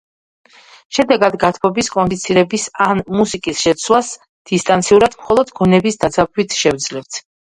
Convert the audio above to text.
შედეგად გათბობის, კონდიცირების, ან მუსიკის შეცვლას დისტანციურად, მხოლოდ გონების დაძაბვით შევძლებთ.